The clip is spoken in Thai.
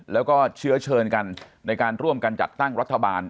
แล้วก็เชื้อเชิญกันในการร่วมกันจัดตั้งรัฐบาล